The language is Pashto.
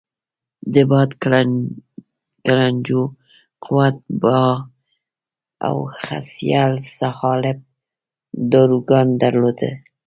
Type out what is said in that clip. د باد کلنجو، قوت باه او خصیه الصعالب داروګان درلودل.